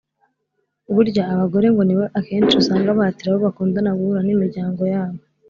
Burya abagore ngo nibo akenshi usanga bahatira abo bakundana guhura n’imiryango yabo